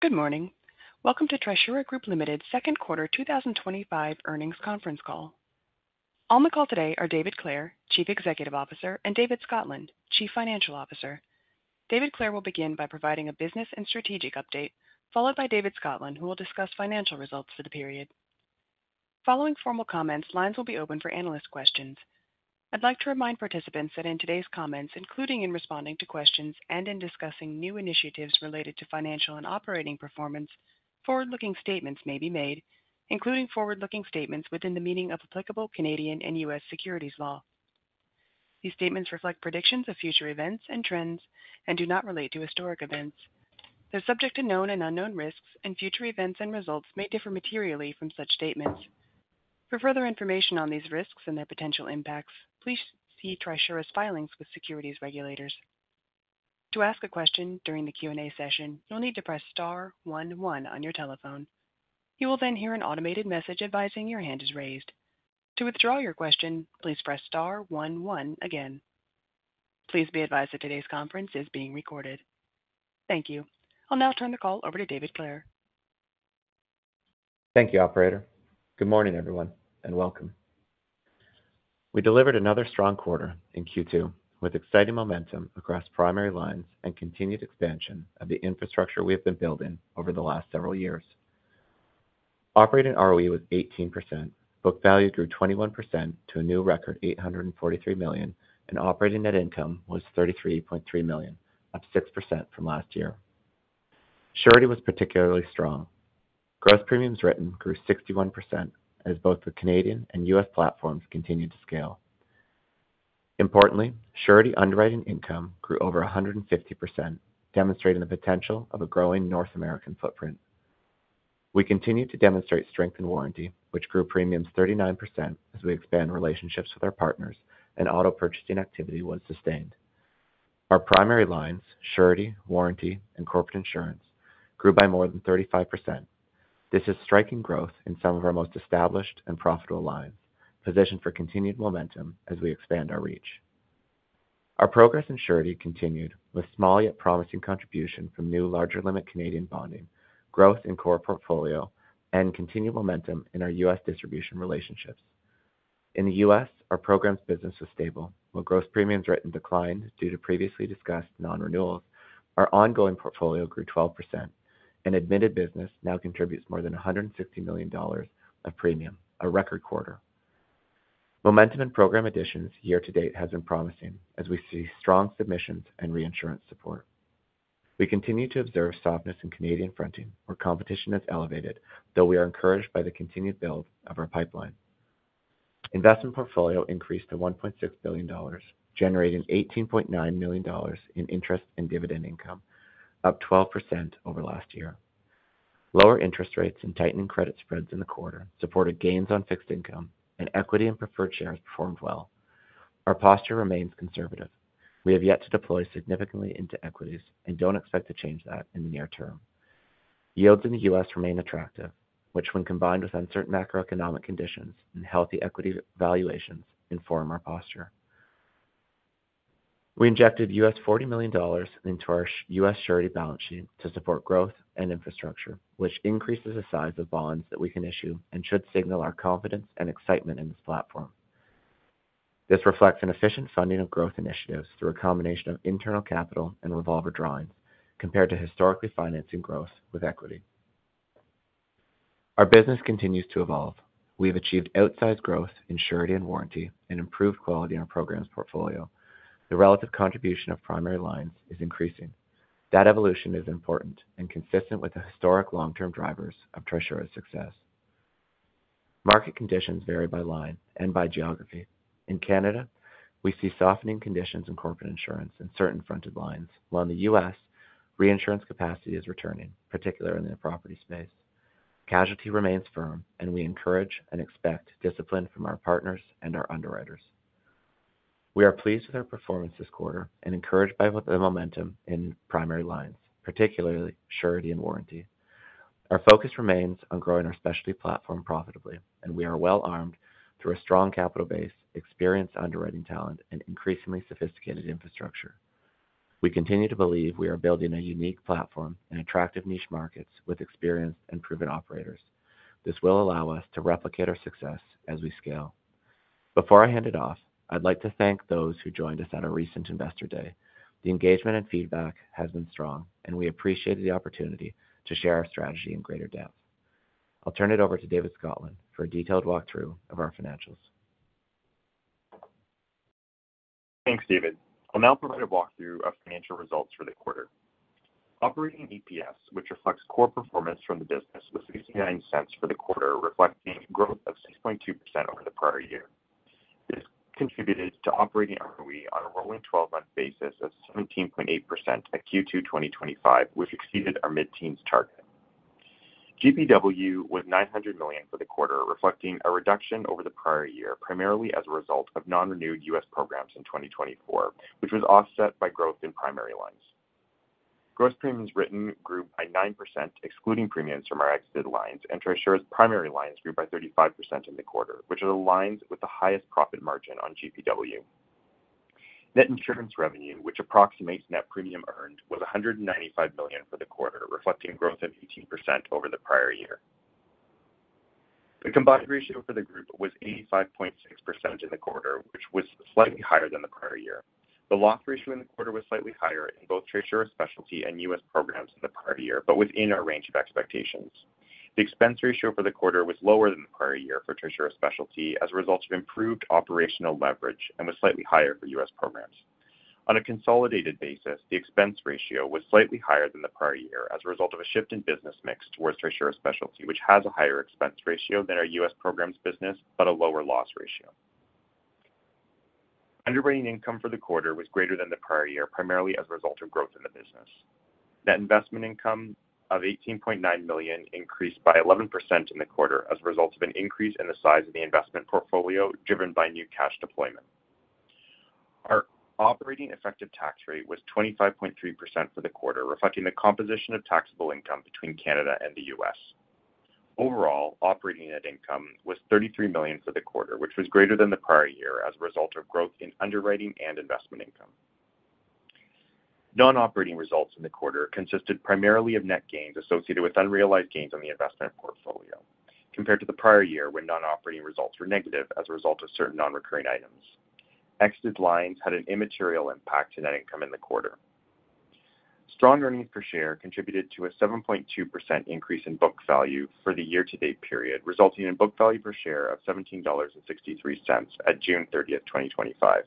Good morning. Welcome to Trisura Group Ltd.'s Second Quarter 2025 Earnings Conference Call. On the call today are David Clare, Chief Executive Officer, and David Scotland, Chief Financial Officer. David Clare will begin by providing a business and strategic update, followed by David Scotland, who will discuss financial results for the period. Following formal comments, lines will be open for analyst questions. I'd like to remind participants that in today's comments, including in responding to questions and in discussing new initiatives related to financial and operating performance, forward-looking statements may be made, including forward-looking statements within the meaning of applicable Canadian and U.S. securities law. These statements reflect predictions of future events and trends and do not relate to historic events. They're subject to known and unknown risks, and future events and results may differ materially from such statements. For further information on these risks and their potential impacts, please see Trisura's filings with securities regulators. To ask a question during the Q&A session, you'll need to press Star, one, one on your telephone. You will then hear an automated message advising your hand is raised. To withdraw your question, please press Star, one, one again. Please be advised that today's conference is being recorded. Thank you. I'll now turn the call over to David Clare. Thank you, operator. Good morning, everyone, and welcome. We delivered another strong quarter in Q2 with exciting momentum across primary lines and continued expansion of the infrastructure we have been building over the last several years. Operating ROE was 18%, book value grew 21% to a new record $843 million, and operating net income was $33.3 million, up 6% from last year. Surety was particularly strong. Gross premiums written grew 61% as both the Canadian and U.S. platforms continued to scale. Importantly, surety underwriting income grew over 150%, demonstrating the potential of a growing North American footprint. We continued to demonstrate strength in warranty, which grew premiums 39% as we expand relationships with our partners and auto purchasing activity was sustained. Our primary lines, surety, warranty, and corporate insurance, grew by more than 35%. This is striking growth in some of our most established and profitable lines, positioned for continued momentum as we expand our reach. Our progress in surety continued with small yet promising contributions from new larger limit Canadian bonding, growth in core portfolio, and continued momentum in our U.S. distribution relationships. In the U.S., our program's business was stable. While gross premiums written declined due to previously discussed non-renewals, our ongoing portfolio grew 12%, and admitted business now contributes more than $160 million of premium, a record quarter. Momentum in program additions year to date has been promising as we see strong submissions and reinsurance support. We continue to observe softness in Canadian fronting, where competition has elevated, though we are encouraged by the continued build of our pipeline. Investment portfolio increased to $1.6 billion, generating $18.9 million in interest and dividend income, up 12% over last year. Lower interest rates and tightening credit spreads in the quarter supported gains on fixed income, and equity and preferred shares performed well. Our posture remains conservative. We have yet to deploy significantly into equities and don't expect to change that in the near term. Yields in the U.S. remain attractive, which, when combined with uncertain macroeconomic conditions and healthy equity valuations, inform our posture. We injected $40 million into our U.S. Surety balance sheet to support growth and infrastructure, which increases the size of bonds that we can issue and should signal our confidence and excitement in this platform. This reflects an efficient funding of growth initiatives through a combination of internal capital and revolver drawings, compared to historically financing growth with equity. Our business continues to evolve. We've achieved outsized growth in surety and warranty and improved quality in our program's portfolio. The relative contribution of primary lines is increasing. That evolution is important and consistent with the historic long-term drivers of Trisura's success. Market conditions vary by line and by geography. In Canada, we see softening conditions in corporate insurance and certain fronted lines, while in the U.S., reinsurance capacity is returning, particularly in the property space. Casualty remains firm, and we encourage and expect discipline from our partners and our underwriters. We are pleased with our performance this quarter and encouraged by the momentum in primary lines, particularly surety and warranty. Our focus remains on growing our specialty platform profitably, and we are well armed through a strong capital base, experienced underwriting talent, and increasingly sophisticated infrastructure. We continue to believe we are building a unique platform in attractive niche markets with experienced and proven operators. This will allow us to replicate our success as we scale. Before I hand it off, I'd like to thank those who joined us at our recent Investor Day. The engagement and feedback have been strong, and we appreciate the opportunity to share our strategy in greater depth. I'll turn it over to David Scotland for a detailed walkthrough of our financials. Thanks, David. I'll now provide a walkthrough of financial results for the quarter. Operating EPS, which reflects core performance from the business, was $0.69 for the quarter, reflecting a growth of 6.2% over the prior year. This contributed to operating ROE on a rolling 12-month basis of 17.8% at Q2 2025, which exceeded our mid-teens target. GPW was $900 million for the quarter, reflecting a reduction over the prior year, primarily as a result of non-renewed U.S. programs in 2024, which was offset by growth in primary lines. Gross premiums written grew by 9%, excluding premiums from our exited lines, and Trisura's primary lines grew by 35% in the quarter, which aligns with the highest profit margin on GPW. Net insurance revenue, which approximates net premium earned, was $195 million for the quarter, reflecting a growth of 18% over the prior year. The combined ratio for the group was 85.6% in the quarter, which was slightly higher than the prior year. The loss ratio in the quarter was slightly higher in both Trisura Specialty and U.S. programs in the prior year, but within our range of expectations. The expense ratio for the quarter was lower than the prior year for Trisura Specialty as a result of improved operational leverage and was slightly higher for U.S. programs. On a consolidated basis, the expense ratio was slightly higher than the prior year as a result of a shift in business mix towards Trisura Specialty, which has a higher expense ratio than our U.S. programs' business, but a lower loss ratio. Underwriting income for the quarter was greater than the prior year, primarily as a result of growth in the business. Net investment income of $18.9 million increased by 11% in the quarter as a result of an increase in the size of the investment portfolio driven by new cash deployment. Our operating effective tax rate was 25.3% for the quarter, reflecting the composition of taxable income between Canada and the U.S. Overall, operating net income was $33 million for the quarter, which was greater than the prior year as a result of growth in underwriting and investment income. Non-operating results in the quarter consisted primarily of net gains associated with unrealized gains on the investment portfolio, compared to the prior year when non-operating results were negative as a result of certain non-recurring items. Exited lines had an immaterial impact to net income in the quarter. Strong earnings per share contributed to a 7.2% increase in book value for the year-to-date period, resulting in a book value per share of $17.63 at June 30th, 2025.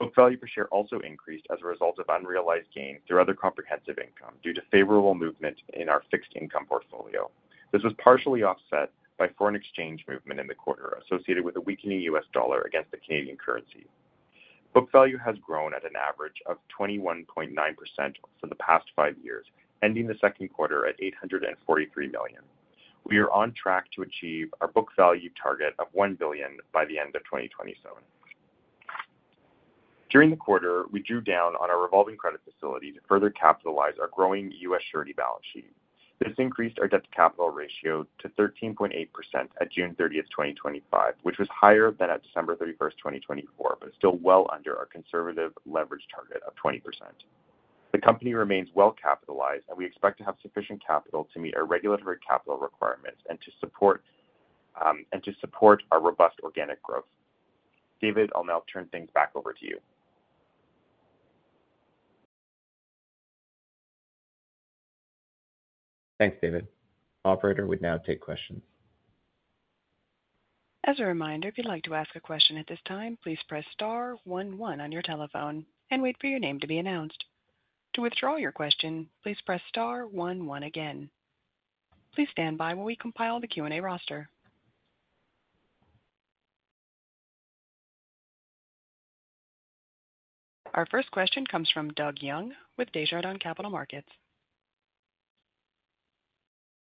Book value per share also increased as a result of unrealized gains through other comprehensive income due to favorable movement in our fixed income portfolio. This was partially offset by foreign exchange movement in the quarter associated with a weakening U.S. dollar against the Canadian currency. Book value has grown at an average of 21.9% for the past five years, ending the second quarter at $843 million. We are on track to achieve our book value target of $1 billion by the end of 2027. During the quarter, we drew down on our revolver to further capitalize our growing U.S. surety balance sheet. This increased our debt-to-capital ratio to 13.8% at June 30th, 2025, which was higher than at December 31st, 2024, but still well under our conservative leverage target of 20%. The company remains well capitalized, and we expect to have sufficient capital to meet our regulatory capital requirements and to support our robust organic growth. David, I'll now turn things back over to you. Thanks, David. Operator, we now take questions. As a reminder, if you'd like to ask a question at this time, please press Star, one, one on your telephone and wait for your name to be announced. To withdraw your question, please press Star, one, one again. Please stand by while we compile the Q&A roster. Our first question comes from Doug Young with Desjardins Capital Markets.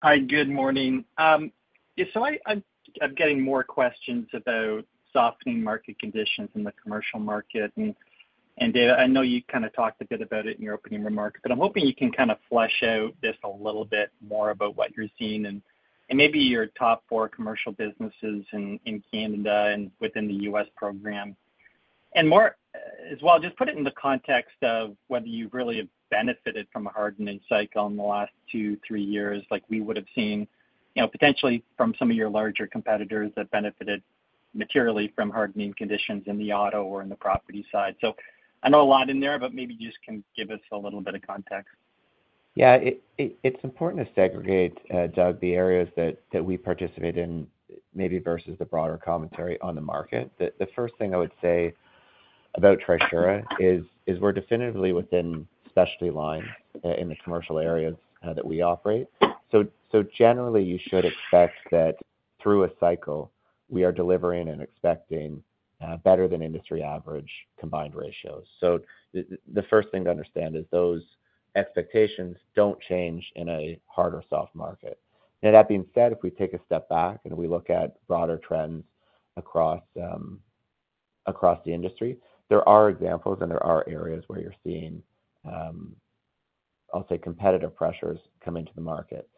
Hi, good morning. I'm getting more questions about softening market conditions in the commercial market. David, I know you kind of talked a bit about it in your opening remark, but I'm hoping you can flesh out this a little bit more about what you're seeing and maybe your top four commercial businesses in Canada and within the U.S. program. More as well, just put it in the context of whether you really have benefited from a hardening cycle in the last two, three years, like we would have seen, you know, potentially from some of your larger competitors that benefited materially from hardening conditions in the auto or in the property side. I know a lot in there, but maybe you just can give us a little bit of context. Yeah, it's important to segregate, Doug, the areas that we participate in, maybe versus the broader commentary on the market. The first thing I would say about Trisura is we're definitively within specialty line in the commercial areas that we operate. Generally, you should expect that through a cycle, we are delivering and expecting better than industry average combined ratios. The first thing to understand is those expectations don't change in a hard or soft market. Now, that being said, if we take a step back and we look at broader trends across the industry, there are examples and there are areas where you're seeing, I'll say, competitive pressures come into the market.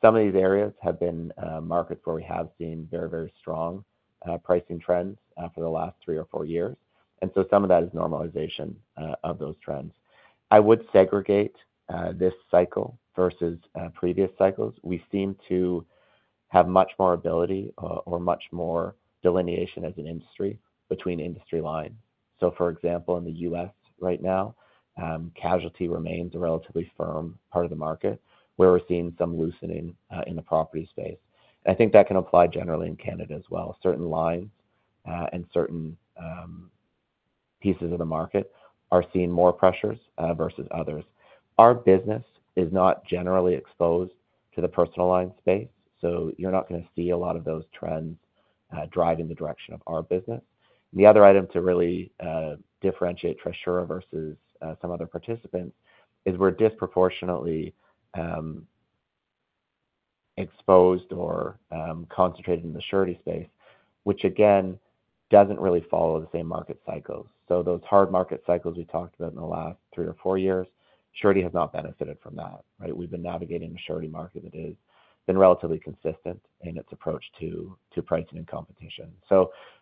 Some of these areas have been markets where we have seen very, very strong pricing trends for the last three or four years. Some of that is normalization of those trends. I would segregate this cycle versus previous cycles. We seem to have much more ability or much more delineation as an industry between industry lines. For example, in the U.S. right now, casualty remains a relatively firm part of the market, where we're seeing some loosening in the property space. I think that can apply generally in Canada as well. Certain lines and certain pieces of the market are seeing more pressures versus others. Our business is not generally exposed to the personal line space, so you're not going to see a lot of those trends driving the direction of our business. The other item to really differentiate Trisura versus some other participants is we're disproportionately exposed or concentrated in the surety space, which again doesn't really follow the same market cycles. Those hard market cycles we talked about in the last three or four years, surety has not benefited from that. We've been navigating a surety market that has been relatively consistent in its approach to pricing and competition.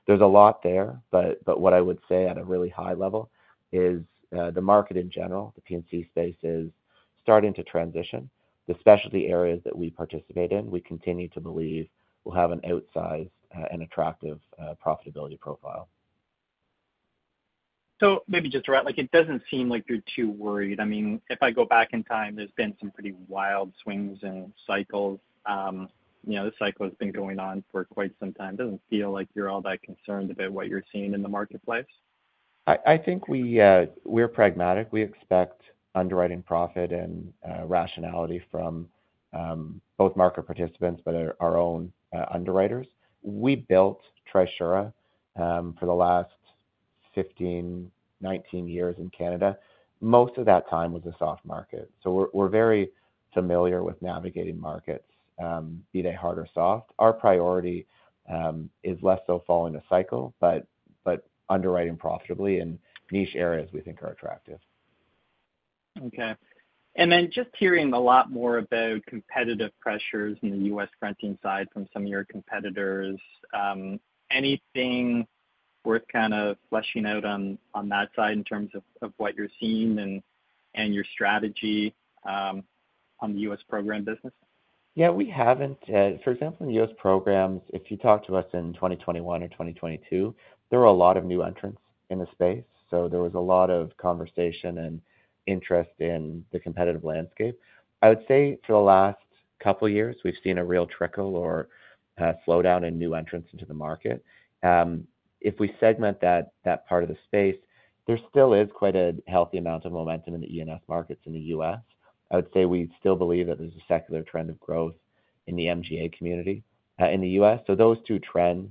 There's a lot there, but what I would say at a really high level is the market in general, the PMC space, is starting to transition. The specialty areas that we participate in, we continue to believe will have an outsized and attractive profitability profile. Maybe just to wrap, like it doesn't seem like you're too worried. I mean, if I go back in time, there's been some pretty wild swings in cycles. You know, the cycle has been going on for quite some time. It doesn't feel like you're all that concerned about what you're seeing in the marketplace. I think we're pragmatic. We expect underwriting profit and rationality from both market participants and our own underwriters. We built Trisura for the last 15, 19 years in Canada. Most of that time was a soft market. We're very familiar with navigating markets, be they hard or soft. Our priority is less so following a cycle, but underwriting profitably in niche areas we think are attractive. Okay. Just hearing a lot more about competitive pressures in the U.S. fronting side from some of your competitors, anything worth kind of fleshing out on that side in terms of what you're seeing and your strategy on the U.S. program business? Yeah, we haven't. For example, in U.S. programs, if you talk to us in 2021 or 2022, there were a lot of new entrants in the space. There was a lot of conversation and interest in the competitive landscape. I would say for the last couple of years, we've seen a real trickle or slowdown in new entrants into the market. If we segment that part of the space, there still is quite a healthy amount of momentum in the E&F markets in the U.S. I would say we still believe that there's a secular trend of growth in the MGA community in the U.S. Those two trends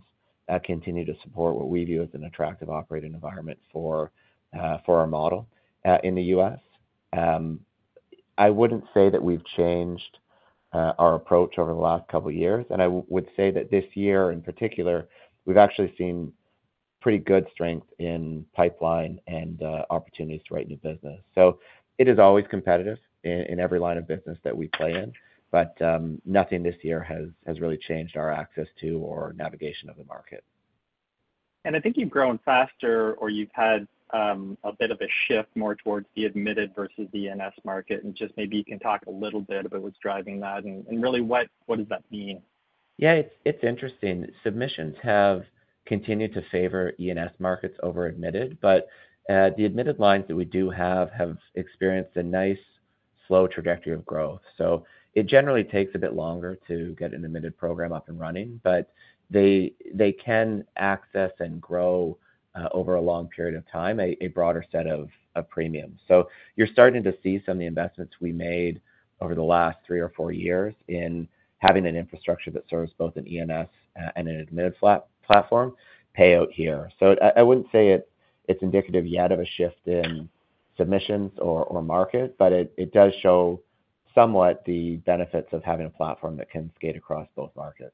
continue to support what we view as an attractive operating environment for our model in the U.S. I wouldn't say that we've changed our approach over the last couple of years, and I would say that this year in particular, we've actually seen pretty good strength in pipeline and opportunities to write new business. It is always competitive in every line of business that we play in, but nothing this year has really changed our access to or navigation of the market. I think you've grown faster or you've had a bit of a shift more towards the admitted versus the E&F market, and just maybe you can talk a little bit about what's driving that and really what does that mean? Yeah, it's interesting. Submissions have continued to favor E&F markets over admitted, but the admitted lines that we do have have experienced a nice, slow trajectory of growth. It generally takes a bit longer to get an admitted program up and running, but they can access and grow over a long period of time a broader set of premiums. You're starting to see some of the investments we made over the last three or four years in having an infrastructure that serves both an E&F and an admitted platform pay out here. I wouldn't say it's indicative yet of a shift in submissions or market, but it does show somewhat the benefits of having a platform that can skate across both markets.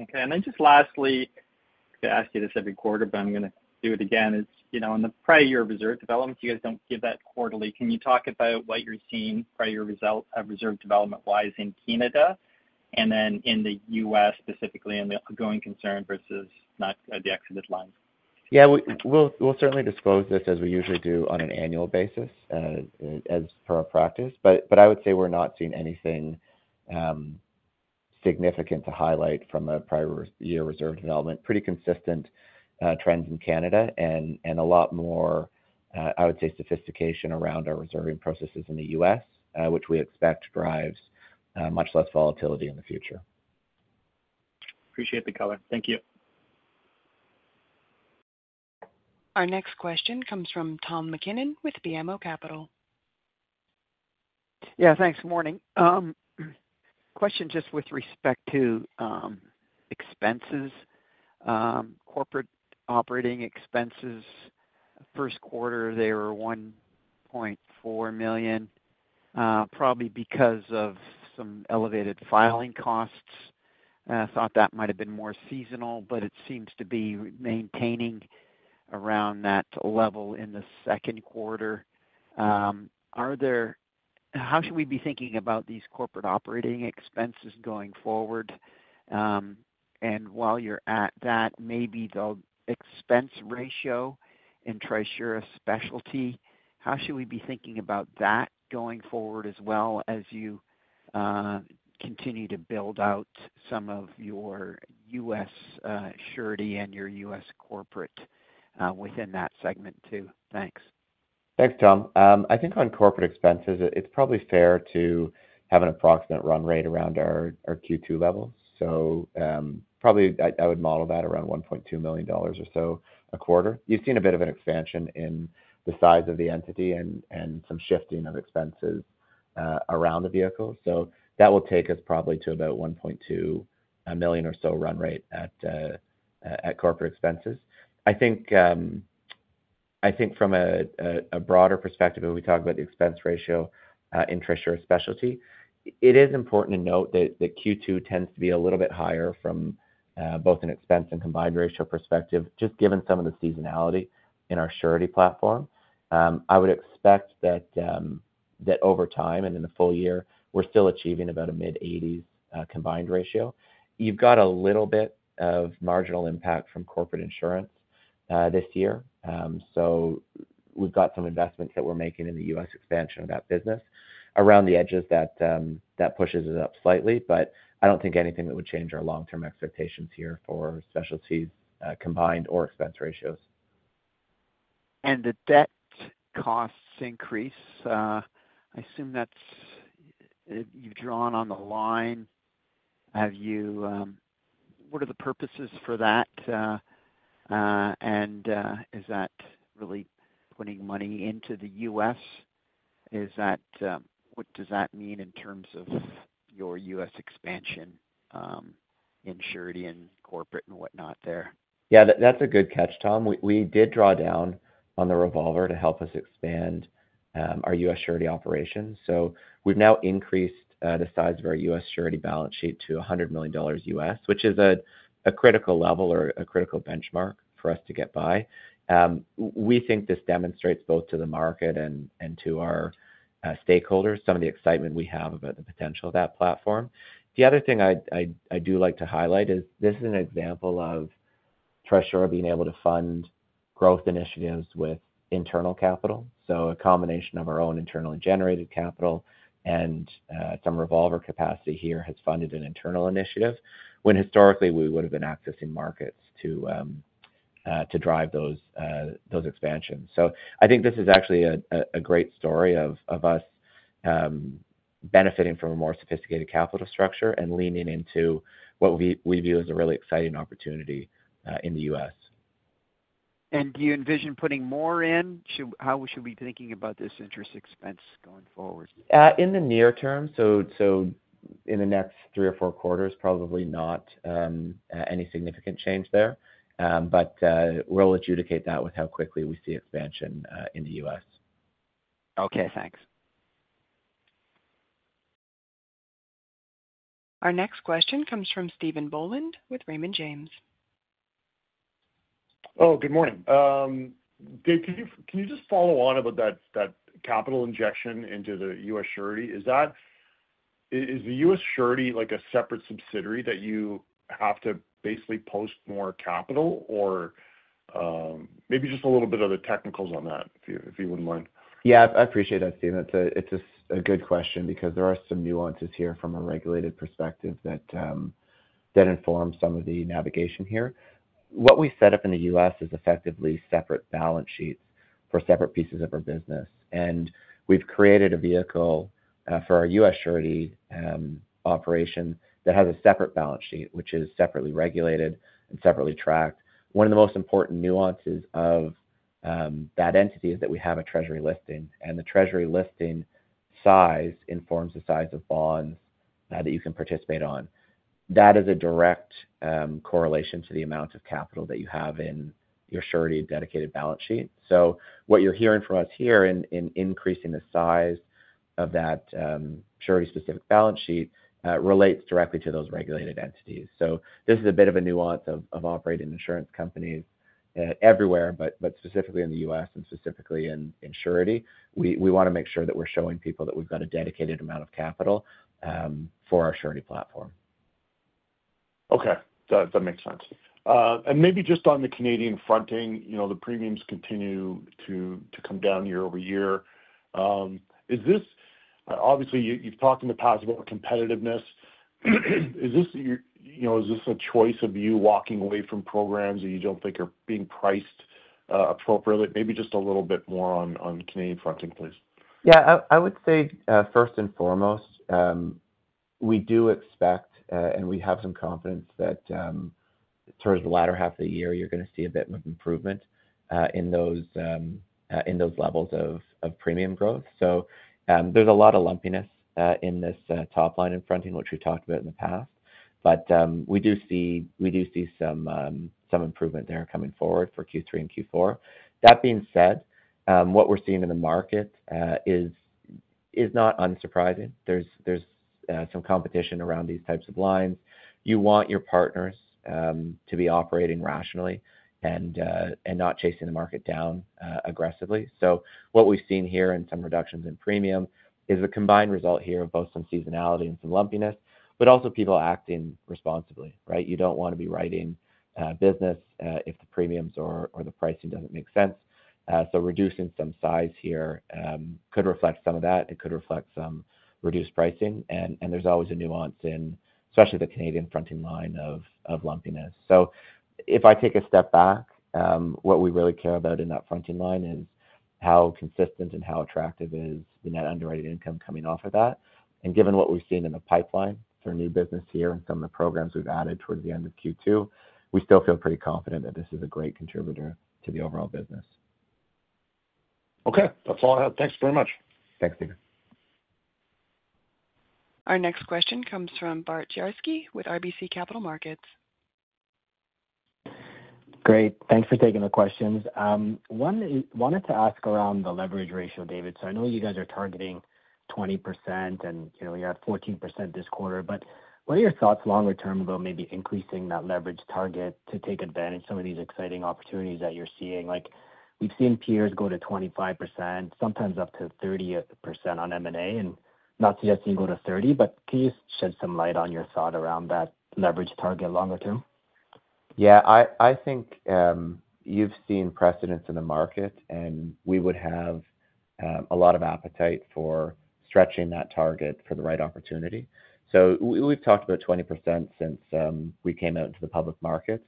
Okay. Lastly, I'm going to ask you this every quarter, but I'm going to do it again. In the prior year of reserve development, you guys don't give that quarterly. Can you talk about what you're seeing prior year of reserve development-wise in Canada and then in the U.S. specifically and the ongoing concern versus not the exited line? Yeah, we'll certainly disclose this as we usually do on an annual basis as per our practice, but I would say we're not seeing anything significant to highlight from a prior year of reserve development. Pretty consistent trends in Canada and a lot more, I would say, sophistication around our reserving processes in the U.S., which we expect drives much less volatility in the future. Appreciate the color. Thank you. Our next question comes from Tom MacKinnon with BMO Capital. Yeah, thanks. Morning. Question just with respect to expenses, corporate operating expenses. First quarter, they were $1.4 million, probably because of some elevated filing costs. Thought that might have been more seasonal, but it seems to be maintaining around that level in the second quarter. How should we be thinking about these corporate operating expenses going forward? While you're at that, maybe the expense ratio in Trisura Specialty, how should we be thinking about that going forward as well as you continue to build out some of your U.S. surety and your U.S. corporate within that segment too? Thanks. Thanks, Tom. I think on corporate expenses, it's probably fair to have an approximate run rate around our Q2 level. I would model that around $1.2 million or so a quarter. You've seen a bit of an expansion in the size of the entity and some shifting of expenses around the vehicle. That will take us probably to about $1.2 million or so run rate at corporate expenses. I think from a broader perspective, when we talk about the expense ratio in Trisura Specialty, it is important to note that Q2 tends to be a little bit higher from both an expense and combined ratio perspective, just given some of the seasonality in our surety platform. I would expect that over time and in the full year, we're still achieving about a mid-80s combined ratio. You've got a little bit of marginal impact from corporate insurance this year. We've got some investments that we're making in the U.S. expansion of that business. Around the edges, that pushes it up slightly, but I don't think anything that would change our long-term expectations here for specialty combined or expense ratios. The debt costs increase. I assume that you've drawn on the line. What are the purposes for that? Is that really putting money into the U.S.? What does that mean in terms of your U.S. expansion in surety and corporate insurance and whatnot there? Yeah, that's a good catch, Tom. We did draw down on the revolver to help us expand our U.S. surety operations. We've now increased the size of our U.S. surety balance sheet to $100 million., which is a critical level or a critical benchmark for us to get by. We think this demonstrates both to the market and to our stakeholders some of the excitement we have about the potential of that platform. The other thing I do like to highlight is this is an example of Trisura being able to fund growth initiatives with internal capital. A combination of our own internally generated capital and some revolver capacity here has funded an internal initiative when historically we would have been accessing markets to drive those expansions. I think this is actually a great story of us benefiting from a more sophisticated capital structure and leaning into what we view as a really exciting opportunity in the U.S. Do you envision putting more in? How should we be thinking about this interest expense going forward? In the near term, in the next three or four quarters, probably not any significant change there, but we'll adjudicate that with how quickly we see expansion in the U.S. Okay, thanks. Our next question comes from Stephen Boland with Raymond James. Oh, good morning. David, can you just follow on about that capital injection into the U.S. surety? Is the U.S. surety like a separate subsidiary that you have to basically post more capital, or maybe just a little bit of the technicals on that, if you wouldn't mind? Yeah, I appreciate that, Stephen. It's a good question because there are some nuances here from a regulated perspective that inform some of the navigation here. What we set up in the U.S. is effectively separate balance sheets for separate pieces of our business. We've created a vehicle for our U.S. surety operation that has a separate balance sheet, which is separately regulated and separately tracked. One of the most important nuances of that entity is that we have a treasury listing, and the treasury listing size informs the size of bond that you can participate on. That is a direct correlation to the amount of capital that you have in your surety dedicated balance sheet. What you're hearing from us here in increasing the size of that surety-specific balance sheet relates directly to those regulated entities. This is a bit of a nuance of operating insurance companies everywhere, but specifically in the U.S. and specifically in surety. We want to make sure that we're showing people that we've got a dedicated amount of capital for our surety platform. Okay, that makes sense. Maybe just on the Canadian fronting, you know, the premiums continue to come down year over year. Is this, obviously, you've talked in the past about competitiveness. Is this, you know, is this a choice of you walking away from programs that you don't think are being priced appropriately? Maybe just a little bit more on Canadian fronting, please. Yeah, I would say first and foremost, we do expect and we have some confidence that towards the latter half of the year, you're going to see a bit more improvement in those levels of premium growth. There's a lot of lumpiness in this top line and fronting, which we've talked about in the past, but we do see some improvement there coming forward for Q3 and Q4. That being said, what we're seeing in the market is not unsurprising. There's some competition around these types of lines. You want your partners to be operating rationally and not chasing the market down aggressively. What we've seen here and some reductions in premium is a combined result here of both some seasonality and some lumpiness, but also people acting responsibly. You don't want to be writing business if the premiums or the pricing doesn't make sense. Reducing some size here could reflect some of that. It could reflect some reduced pricing. There's always a nuance in, especially the Canadian fronting line of lumpiness. If I take a step back, what we really care about in that fronting line is how consistent and how attractive is the net underwriting income coming off of that, and given what we've seen in the pipeline through new business here and some of the programs we've added towards the end of Q2, we still feel pretty confident that this is a great contributor to the overall business. Okay, that's all I have. Thanks very much. Thanks, Stephen. Our next question comes from Bart Jarski with RBC Capital Markets. Great, thanks for taking the questions. I wanted to ask around the leverage ratio, David. I know you guys are targeting 20% and you know you're at 14% this quarter, but what are your thoughts longer term about maybe increasing that leverage target to take advantage of some of these exciting opportunities that you're seeing? Like we've seen peers go to 25%, sometimes up to 30% on M&A, and not suggesting you go to 30%, but can you shed some light on your thought around that leverage target longer term? Yeah, I think you've seen precedence in the market and we would have a lot of appetite for stretching that target for the right opportunity. We've talked about 20% since we came out into the public markets,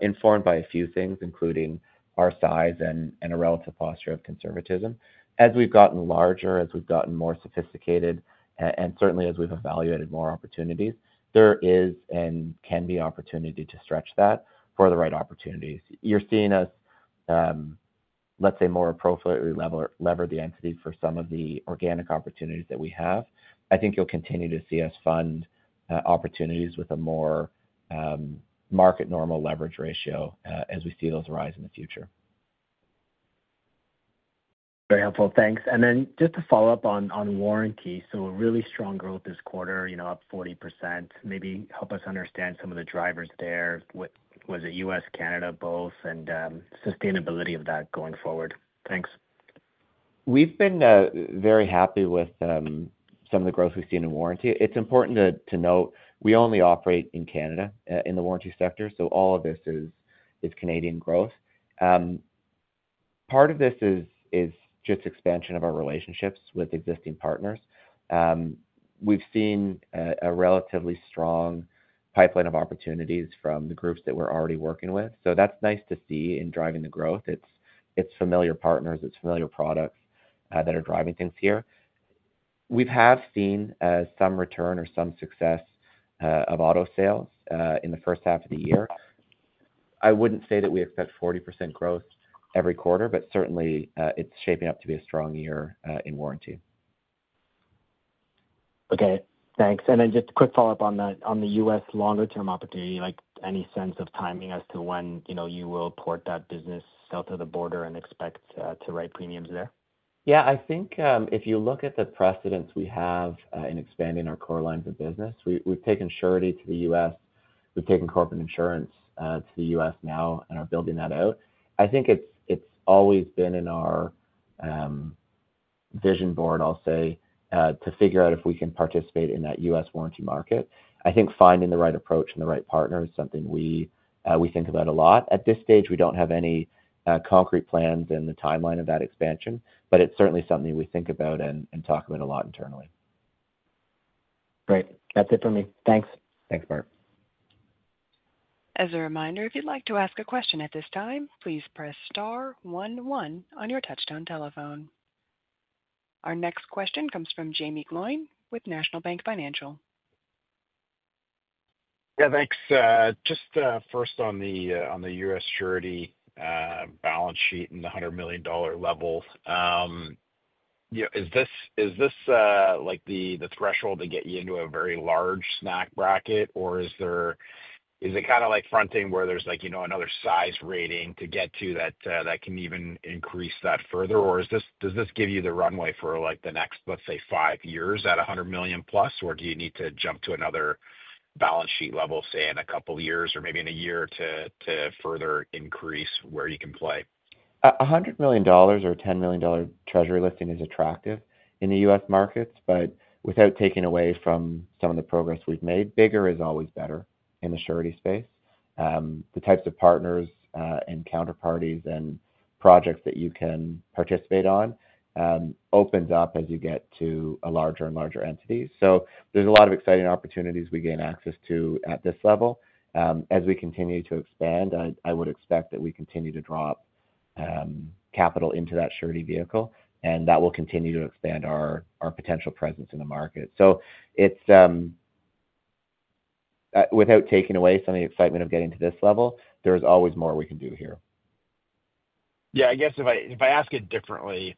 informed by a few things, including our size and a relative posture of conservatism. As we've gotten larger, as we've gotten more sophisticated, and certainly as we've evaluated more opportunities, there is and can be opportunity to stretch that for the right opportunities. You're seeing us, let's say, more appropriately lever the entity for some of the organic opportunities that we have. I think you'll continue to see us fund opportunities with a more market normal leverage ratio as we see those rise in the future. Very helpful, thanks. Just to follow up on warranty, a really strong growth this quarter, you know, up 40%. Maybe help us understand some of the drivers there. Was it U.S., Canada, both, and sustainability of that going forward? Thanks. We've been very happy with some of the growth we've seen in warranty. It's important to note we only operate in Canada in the warranty sector, so all of this is Canadian growth. Part of this is just expansion of our relationships with existing partners. We've seen a relatively strong pipeline of opportunities from the groups that we're already working with. That's nice to see in driving the growth. It's familiar partners, it's familiar products that are driving things here. We have seen some return or some success of auto sales in the first half of the year. I wouldn't say that we expect 40% growth every quarter, but certainly it's shaping up to be a strong year in warranty. Okay, thanks. Just a quick follow-up on that, on the U.S. longer-term opportunity, any sense of timing as to when you will port that business south of the border and expect to write premiums there? Yeah, I think if you look at the precedence we have in expanding our core lines of business, we've taken surety to the U.S., we've taken corporate insurance to the U.S. now and are building that out. I think it's always been in our vision board, I'll say, to figure out if we can participate in that U.S. warranty market. I think finding the right approach and the right partner is something we think about a lot. At this stage, we don't have any concrete plans in the timeline of that expansion, but it's certainly something we think about and talk about a lot internally. Great, that's it for me. Thanks. Thanks, Bart. As a reminder, if you'd like to ask a question at this time, please press Star, one, one on your touch-tone telephone. Our next question comes from Jaeme Gloyn with National Bank Financial. Yeah, thanks. Just first on the U.S. surety balance sheet and the $100 million level. Is this like the threshold to get you into a very large snack bracket, or is it kind of like fronting where there's another size rating to get to that can even increase that further, or does this give you the runway for the next, let's say, five years at $100 million+ or do you need to jump to another balance sheet level, say, in a couple of years or maybe in a year to further increase where you can play? $100 million or $10 million treasury lifting is attractive in the U.S. markets, but without taking away from some of the progress we've made, bigger is always better in the surety space. The types of partners and counterparties and projects that you can participate on open up as you get to a larger and larger entity. There are a lot of exciting opportunities we gain access to at this level. As we continue to expand, I would expect that we continue to draw capital into that surety vehicle and that will continue to expand our potential presence in the market. Without taking away some of the excitement of getting to this level, there's always more we can do here. Yeah, I guess if I ask it differently,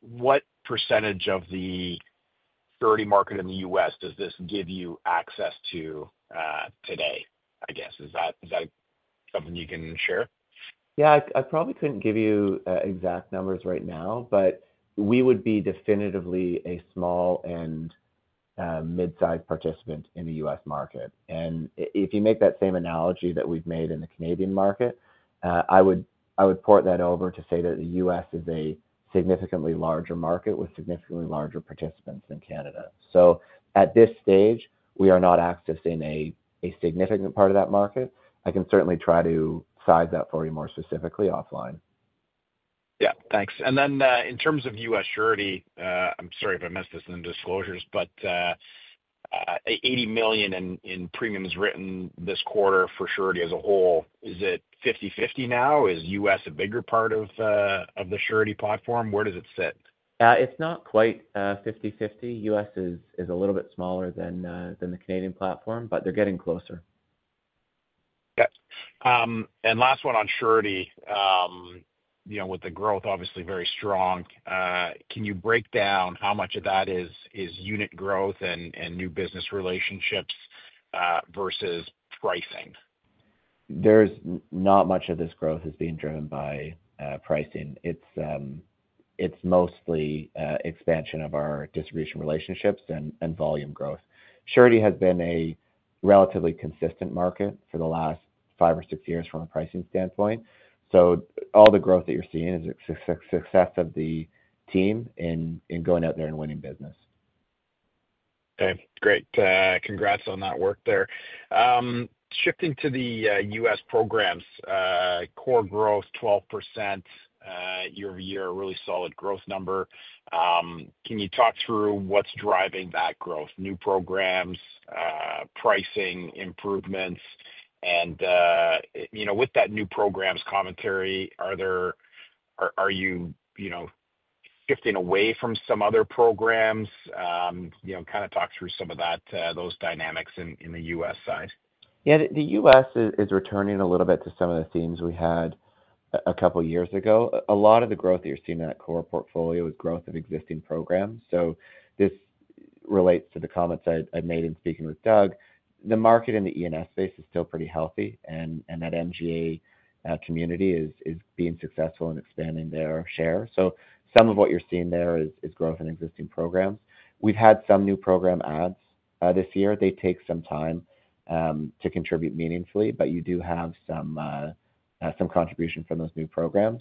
what % of the surety market in the U.S. does this give you access to today? Is that something you can share? I probably couldn't give you exact numbers right now, but we would be definitively a small and mid-sized participant in the U.S. market. If you make that same analogy that we've made in the Canadian market, I would port that over to say that the U.S. is a significantly larger market with significantly larger participants than Canada. At this stage, we are not accessing a significant part of that market. I can certainly try to size that for you more specifically offline. Yeah, thanks. In terms of U.S. surety, I'm sorry if I missed this in the disclosures, but $80 million in premiums written this quarter for surety as a whole. Is it 50/50 now? Is U.S. a bigger part of the surety platform? Where does it sit? It's not quite 50/50. U.S. is a little bit smaller than the Canadian platform, but they're getting closer. Okay. Last one on surety, with the growth obviously very strong, can you break down how much of that is unit growth and new business relationships versus pricing? There's not much of this growth that's being driven by pricing. It's mostly expansion of our distribution relationships and volume growth. Surety has been a relatively consistent market for the last five or six years from a pricing standpoint. All the growth that you're seeing is a success of the team in going out there and winning business. Okay, great. Congrats on that work there. Shifting to the U.S. programs, core growth 12% year-over-year, a really solid growth number. Can you talk through what's driving that growth? New programs, pricing improvements, and with that new programs commentary, are you shifting away from some other programs? Kind of talk through some of those dynamics in the U.S. side. Yeah, the U.S. is returning a little bit to some of the themes we had a couple of years ago. A lot of the growth that you're seeing in that core portfolio is growth of existing programs. This relates to the comments I made in speaking with Doug. The market in the E&F space is still pretty healthy, and that MGA community is being successful in expanding their share. Some of what you're seeing there is growth in existing programs. We've had some new program adds this year. They take some time to contribute meaningfully, but you do have some contribution from those new programs.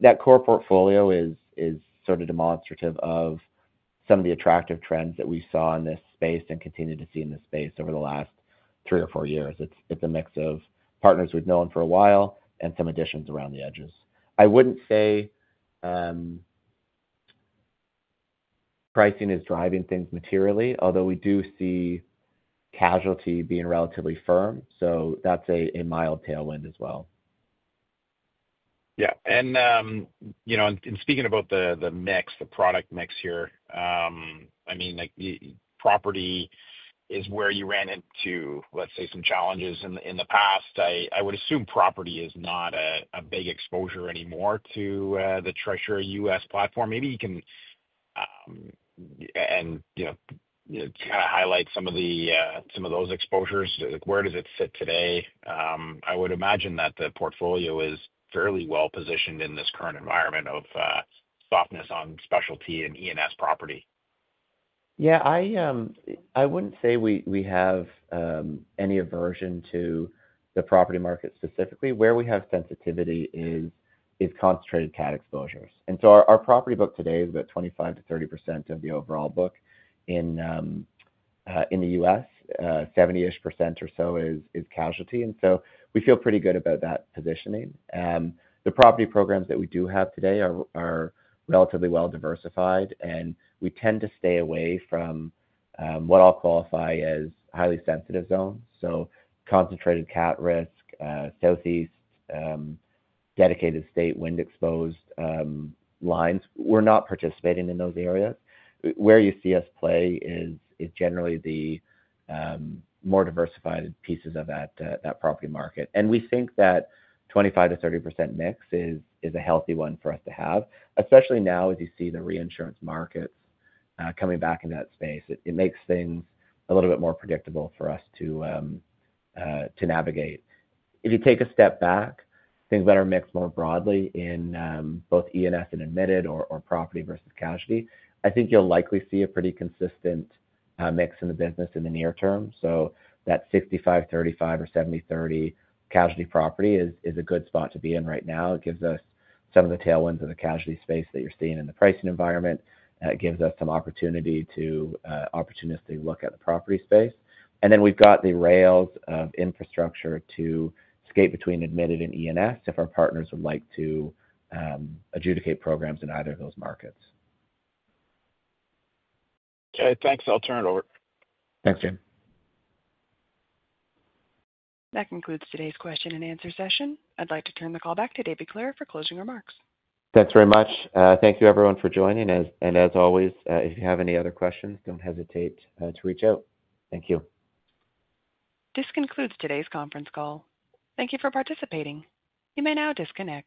That core portfolio is sort of demonstrative of some of the attractive trends that we saw in this space and continue to see in this space over the last three or four years. It's a mix of partners we've known for a while and some additions around the edges. I wouldn't say pricing is driving things materially, although we do see casualty being relatively firm. That's a mild tailwind as well. Yeah, in speaking about the mix, the product mix here, I mean, like property is where you ran into, let's say, some challenges in the past. I would assume property is not a big exposure anymore to the Trisura U.S. platform. Maybe you can kind of highlight some of those exposures. Where does it sit today? I would imagine that the portfolio is fairly well positioned in this current environment of softness on specialty and E&F property. Yeah, I wouldn't say we have any aversion to the property market specifically. Where we have sensitivity is concentrated CAT exposures. Our property book today is about 25%-30% of the overall book in the U.S. 70% or so is casualty. We feel pretty good about that positioning. The property programs that we do have today are relatively well diversified, and we tend to stay away from what I'll qualify as highly sensitive zones. Concentrated CAT risk south east, dedicated state wind exposed lines, we're not participating in those areas. Where you see us play is generally the more diversified pieces of that property market. We think that 25%-30% mix is a healthy one for us to have, especially now as you see the reinsurance market coming back in that space. It makes things a little bit more predictable for us to navigate. If you take a step back, think about our mix more broadly in both E&F and admitted or property versus casualty, I think you'll likely see a pretty consistent mix in the business in the near term. That 65%-35% or 70%-30% casualty property is a good spot to be in right now. It gives us some of the tailwinds of the casualty space that you're seeing in the pricing environment. It gives us some opportunity to opportunistically look at the property space. We've got the rails of infrastructure to skate between admitted and E&F if our partners would like to adjudicate programs in either of those markets. Okay, thanks. I'll turn it over. Thanks, James. That concludes today's question-and-answer session. I'd like to turn the call back to David Clare for closing remarks. Thanks very much. Thank you everyone for joining. If you have any other questions, don't hesitate to reach out. Thank you. This concludes today's conference call. Thank you for participating. You may now disconnect.